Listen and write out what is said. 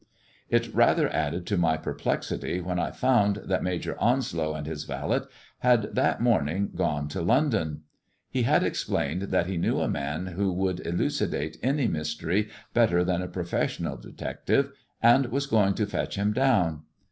It rather added to my perplexity when I found thail Major Onslow and his valet had that morning gone to' London. He had explained that he knew a man would elucidate any mystery better than a professionit^ detective, and was going to fetch him down.